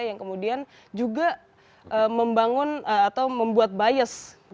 yang kemudian juga membangun atau membuat bias